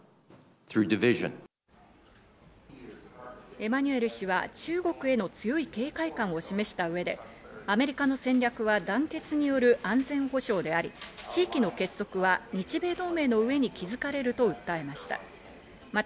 エマニュエル氏は中国への強い警戒感を示した上で、アメリカの戦略は団結による安全保障であり、地域の結束は日米同盟の上に築かれると訴えました。